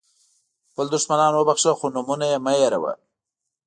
خپل دښمنان وبخښه خو نومونه یې مه هېروه.